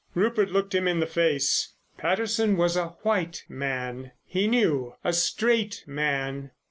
Rupert looked him in the face. Patterson was a "white man" he knew. A straight man.